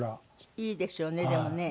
いいですよねでもね。